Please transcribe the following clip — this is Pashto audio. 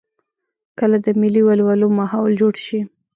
کله د ملي ولولو ماحول جوړ شي.